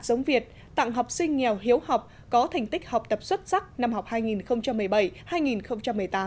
giống việt tặng học sinh nghèo hiếu học có thành tích học tập xuất sắc năm học hai nghìn một mươi bảy hai nghìn một mươi tám